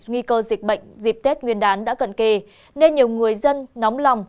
nguy cơ dịch bệnh dịp tết nguyên đán đã cận kề nên nhiều người dân nóng lòng